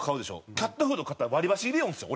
キャットフード買ったら割り箸入れよるんですよ。